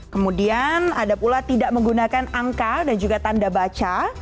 kemudian ada pula tidak menggunakan angka dan juga tanda baca